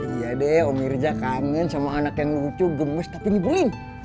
iya deh om mirza kangen sama anak yang lucu gemes tapi ngibulin